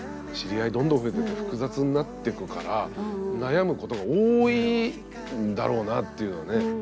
知り合いどんどん増えてって複雑になってくから悩むことが多いんだろうなっていうのはね。